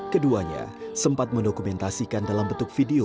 keduanya sempat mendokumentasikan dalam bentuk video